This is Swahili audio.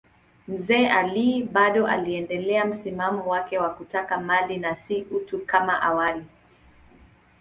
Mzee Ali bado aliendelea msimamo wake wa kutaka mali na si utu kama awali.